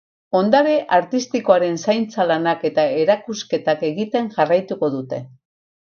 Ondare artistikoaren zaintza lanak eta erakusketak egiten jarraituko dute.